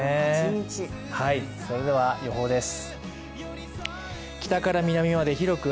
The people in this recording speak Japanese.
それでは予報です。